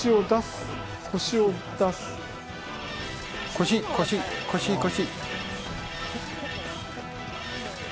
腰、腰、腰、腰。